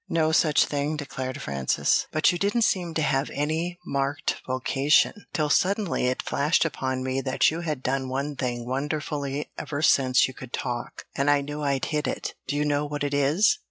"No such thing," declared Frances. "But you didn't seem to have any marked vocation, till suddenly it flashed upon me that you had done one thing wonderfully ever since you could talk, and I knew I'd hit it. Do you know what it is?"